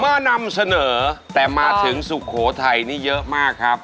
นำเสนอแต่มาถึงสุโขทัยนี่เยอะมากครับ